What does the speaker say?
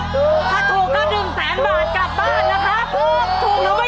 ถ้าถูกก็ดึงแสนบาทกลับบ้านนะครับ